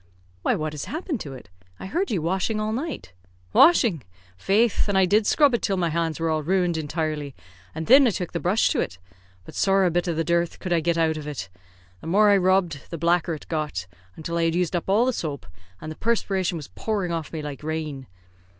"Why, what has happened to it? I heard you washing all night." "Washing! Faith, an' I did scrub it till my hands were all ruined intirely, and thin I took the brush to it; but sorra a bit of the dirth could I get out of it. The more I rubbed the blacker it got, until I had used up all the soap, and the perspiration was pouring off me like rain.